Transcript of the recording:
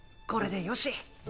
これでよし。